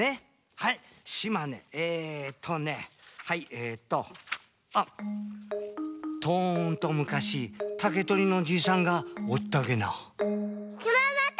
はい島根えっとねはいえっと「とんとむかし竹取のじいさんがおったげな」。